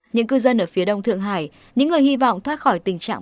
những cư dân ở phía đông thượng hải những người hy vọng thoát khỏi tình trạng